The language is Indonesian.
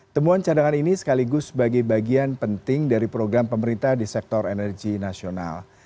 temuan cadangan ini sekaligus sebagai bagian penting dari program pemerintah di sektor energi nasional